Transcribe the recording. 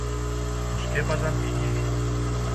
που σκέπαζαν τη γη.